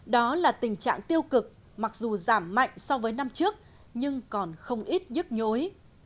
đó là tình trạng tiêu cực mặc dù giảm mạnh so với năm trước nhưng còn không ít nhức nhối